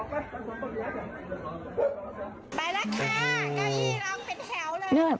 ไปแล้วค่ะกะอี้เราเอาไปแถวเลย